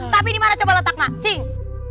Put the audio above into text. tapi dimana coba letak nak cing